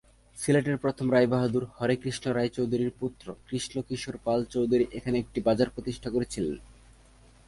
সিলেটের প্রথম রায় বাহাদুর হরেকৃষ্ণ রায় চৌধুরীর পুত্র কৃষ্ণ কিশোর পাল চৌধুরী এখানে একটি বাজার প্রতিষ্ঠা করেছিলেন।